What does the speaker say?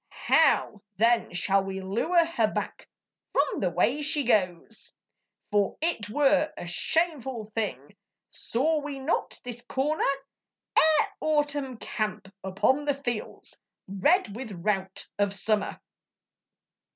How then shall we lure her back From the way she goes? For it were a shameful thing, Saw we not this comer Ere Autumn camp upon the fields Red with rout of Summer.